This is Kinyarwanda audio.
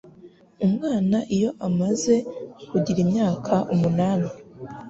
umwana iyo amaze kugira imyaka umunani